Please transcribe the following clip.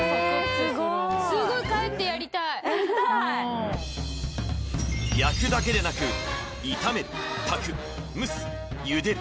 すごーい焼くだけでなく炒める炊く蒸すゆでる